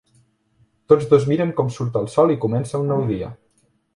Tots dos miren com surt el sol i comença un nou dia.